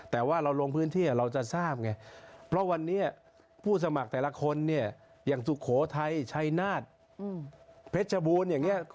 แต่ว่าเราลงพื้นที่เราจะทราบไงเพราะวันนี้ผู้สมัครแต่ละคนเนี่ยอย่างสุโขทัยชัยนาฏเพชรบูรณ์อย่างนี้